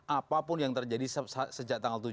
apapun yang terjadi sejak tanggal tujuh